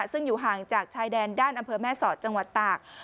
ซึ่งอยู่ห่างจากชายแดนด้านอำเภอแม่สอดจังหวัดตาก